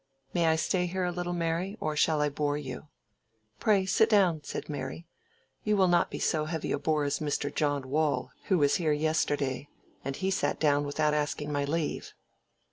"May I stay here a little, Mary, or shall I bore you?" "Pray sit down," said Mary; "you will not be so heavy a bore as Mr. John Waule, who was here yesterday, and he sat down without asking my leave."